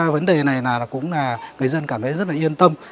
vấn đề này cũng là người dân cảm thấy rất là yên tâm